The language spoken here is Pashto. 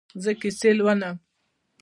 زه کیسې لولم